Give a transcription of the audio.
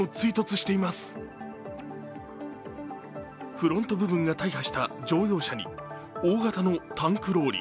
フロント部分が大破した乗用車に大型のタンクローリー。